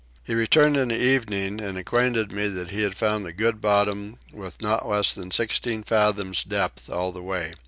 He returned in the evening and acquainted me that he found a good bottom with not less than sixteen fathoms depth all the way.